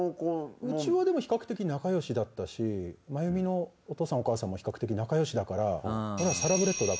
うちはでも比較的仲よしだったし真由美のお父さんお母さんも比較的仲よしだから。